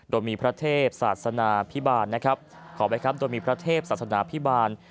ดรมีพระเทพศาสนาภิบาลดรมีพระเทพศาสนาภิบาล